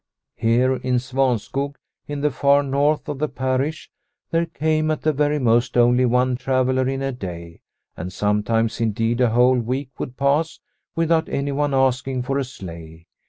Here in Svanskog, in the far north of the parish, there came at the very most only one traveller in a day, and sometimes indeed a whole week would pass without anyone asking for a sleigh.